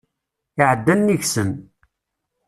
Iɛedda nnig-sen.